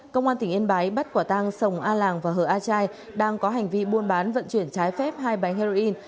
công an tỉnh yên bái bắt quả tang sồng a làng và hờ a trai đang có hành vi buôn bán vận chuyển trái phép hai bánh heroin